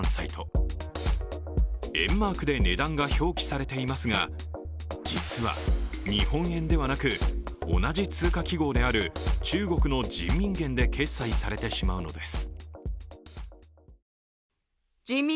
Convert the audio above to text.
￥マークで値段が表記されていますが、実は日本円ではなく同じ通貨記号である中国の人民元で決済されてしまうのです。